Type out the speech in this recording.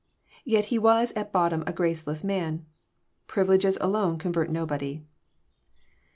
Yet he was at bottom a graceless man. Privileges alone convert nobody.